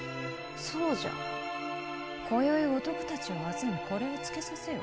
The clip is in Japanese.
そうじゃ今宵男たちを集めこれをつけさせよ。